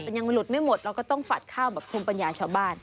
แต่ยังหลุดไม่หมดเราก็ต้องฝัดข้าวแบบภูมิปัญญาชาวบ้าน